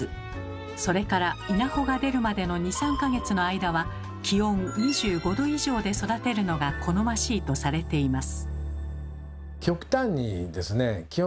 それから稲穂が出るまでの２３か月の間は気温２５℃以上で育てるのが好ましいとされています。